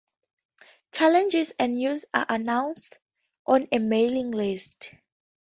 Challenges and news are announced on a mailing list.